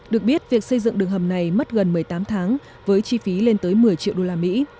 được biết việc xây dựng đường hầm này mất gần một mươi tám tháng với chi phí lên tới một mươi triệu usd